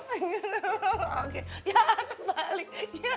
ya terus balik